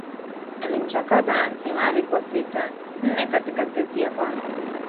alimchakaza anti mari kwa sita nne katika seti ya kwanza